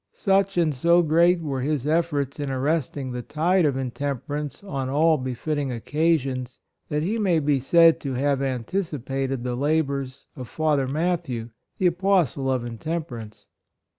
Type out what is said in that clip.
Such and so great were his efforts in arresting the tide of intemper ance on all befitting occasions, that he may be said to have an ticipated the labors of Father Mat thew, the Apostle of temperance.